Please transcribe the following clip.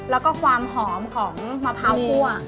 แล้วก็ความหอมของมะพร้าวคั่ว